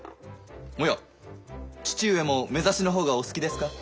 おや父上も目刺しの方がお好きですか？